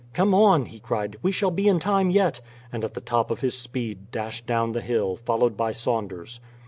"Come on," he cried; "we shall be in time yet," and at the top of his speed dashed down the hill, followed by Saunders.